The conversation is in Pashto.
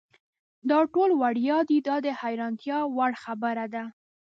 دا ټول وړیا دي دا د حیرانتیا وړ خبره ده.